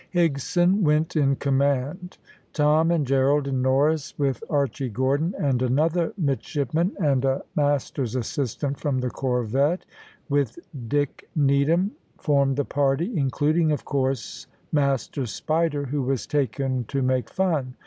Higson went in command. Tom, and Gerald, and Norris, with Archy Gordon, and another midshipman, and a master's assistant from the corvette, with Dick Needham, formed the party, including, of course, Master Spider, who was taken to make fun.